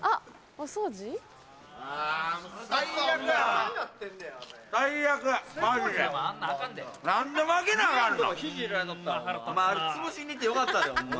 お前あれつぶしに行ってよかったでホンマ。